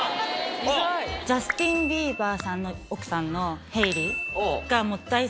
ジャスティン・ビーバーさんの奥さんのヘイリーが。